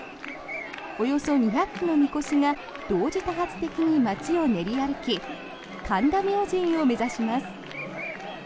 およそ２００基のみこしが同時多発的に街を練り歩き神田明神を目指します。